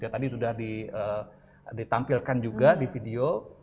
tadi sudah ditampilkan juga di video